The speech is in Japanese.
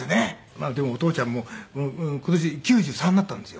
まあでもお父ちゃんも今年９３になったんですよ。